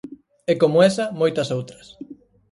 E como esa, moitas outras.